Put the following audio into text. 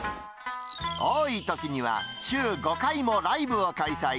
多いときには週５回もライブを開催。